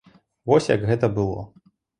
Вось як гэта было.